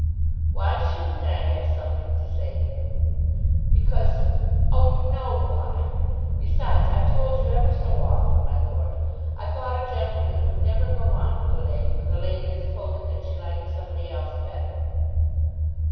"Why shouldn't I have something to say to you?" "Because . Oh, you know why. Besides, I've told you ever so often, my lord. I thought a gentleman would never go on with a lady when the lady has told him that she liked somebody else better."